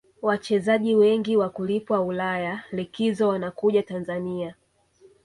wachezaji wengi wakulipwa ulaya likizo wanakuja tanzania